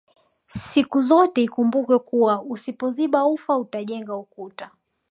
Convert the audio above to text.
Sikuzote ikumbukwe kuwa usipoziba ufa utajenga ukuta